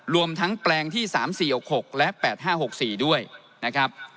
รวมทั้งแปลงที่๓๔๖๖และ๘๕๖๔ด้วยนะครับ